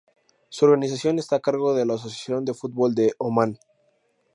Su organización está a cargo de la Asociación de Fútbol de Omán.